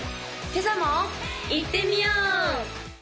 今朝もいってみよう！